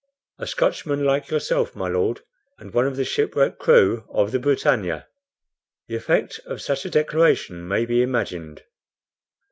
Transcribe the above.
"A Scotchman like yourself, my Lord, and one of the shipwrecked crew of the BRITANNIA." The effect of such a declaration may be imagined.